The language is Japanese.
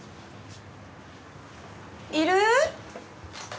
いる？